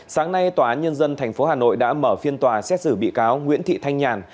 sáng nay tòa án nhân dân tp hà nội đã mở phiên tòa xét xử bị cáo nguyễn thị thanh nhàn